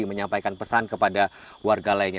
menyampaikan pesan kepada warga lainnya